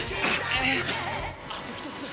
あと１つ！